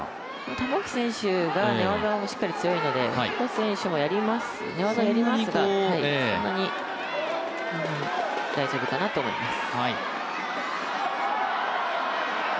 玉置選手がしっかり寝技も強いのでホ選手も、寝技やりますがそんなに大丈夫かなと思います。